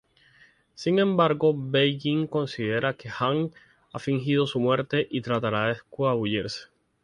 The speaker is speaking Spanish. Sin embargo, Banning considera que Kang ha fingido su muerte y tratará de escabullirse.